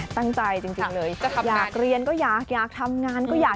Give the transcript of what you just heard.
ตั้งใจจริงเลยอยากเรียนก็อยากทำงานก็อยาก